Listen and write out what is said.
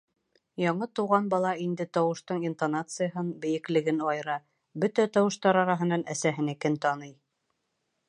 Яңы тыуған бала инде тауыштың интонацияһын, бейеклеген айыра, бөтә тауыштар араһынан әсәһенекен таный.